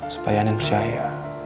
supaya andien percaya